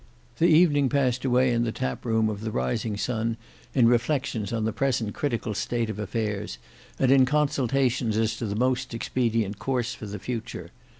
The evening passed away in the tap room of the Rising Sun in reflections on the present critical state of affairs and in consultations as to the most expedient course for the future.